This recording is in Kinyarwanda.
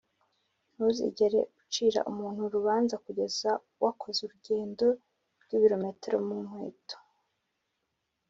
ntuzigere ucira umuntu urubanza kugeza wakoze urugendo rw'ibirometero mukweto